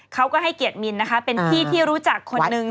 เขาก็ให้เกียรติมินนะคะเป็นพี่ที่รู้จักคนนึง